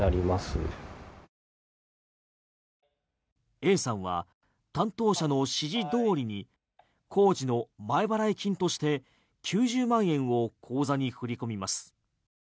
Ａさんは担当者の指示通りに工事の前払い金として９０万円を口座に振り込みます。